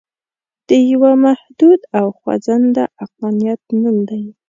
د یوه محدود او خوځنده عقلانیت نوم دی.